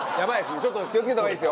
ちょっと気を付けた方がいいですよ！